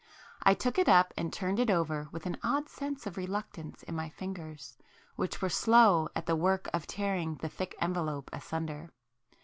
I took it up and turned it over with an odd sense of reluctance in my fingers, which were slow at the work of tearing the thick envelope asunder.